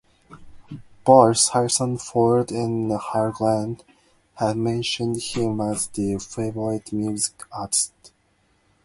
Both, Harrison Ford and Hugh Grant, have mentioned him as their favourite music artist.